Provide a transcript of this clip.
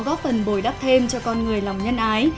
góp phần bồi đắp thêm cho con người lòng nhân ái